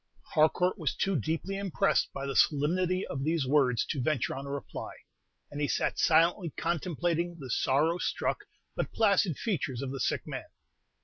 Harcourt was too deeply impressed by the solemnity of these words to venture on a reply, and he sat silently contemplating the sorrow struck but placid features of the sick man.